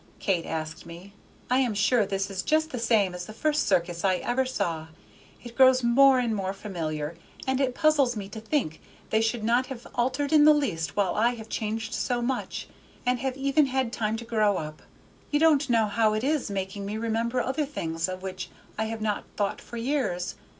Kate asked me. "I am sure this is just the same as the first circus I ever saw. It grows more and more familiar, and it puzzles me to think they should not have altered in the least while I have changed so much, and have even had time to grow up. You don't know how it is making me remember other things of which I have not thought for years.